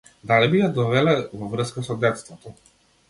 Дали би ја довеле во врска со детството?